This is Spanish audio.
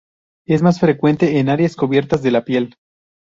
Es más frecuente en áreas cubiertas de la piel.